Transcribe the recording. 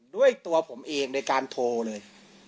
ด้วยตัวผมเองในการโทรเลย